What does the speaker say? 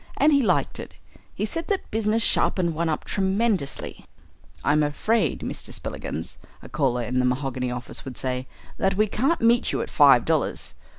And he liked it. He said that business sharpened one up tremendously. "I'm afraid, Mr. Spillikins," a caller in the mahogany office would say, "that we can't meet you at five dollars.